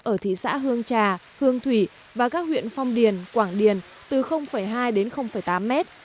ở thị xã hương trà hương thủy và các huyện phong điền quảng điền từ hai đến tám mét